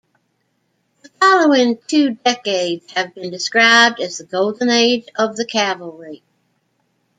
The following two decades have been described as the golden age of the cavalry.